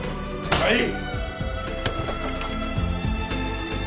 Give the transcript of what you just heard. はい！